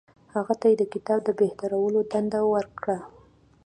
هغه ته یې د کتاب د بهترولو دنده ورکړه.